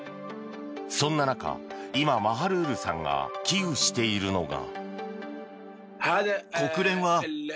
そんな中今、マハルールさんが危惧しているのが。